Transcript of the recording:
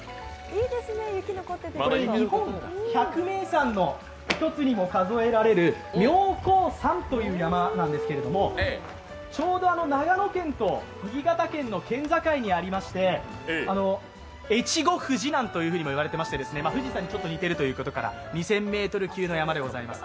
日本百名山の一つにも数えられる妙高山という山なんですけれども、ちょうど長野県と新潟県の県境にありまして、越後富士なんていうふうにも言われていまして富士山にちょっと似ているということから、２０００ｍ級の山でございます。